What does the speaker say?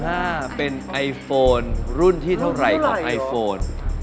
ถ้าเป็นไอโฟนรุ่นที่เท่าไหร่ของไอโฟน